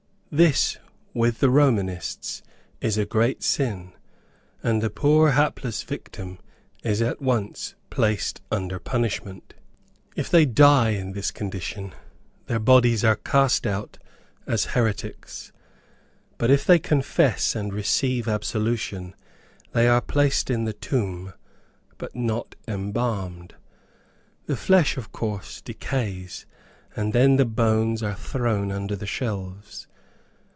This, with the Romanists is a great sin, and the poor hapless victim is at once placed under punishment. If they die in this condition, their bodies are cast out as heretics, but if they confess and receive absolution, they are placed in the tomb, but not embalmed. The flesh, of course, decays, and then the bones are thrown under the shelves.